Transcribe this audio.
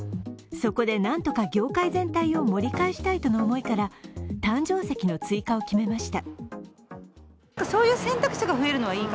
そこでなんとか業界全体を盛り返したいとの思いから誕生石の追加を決めました。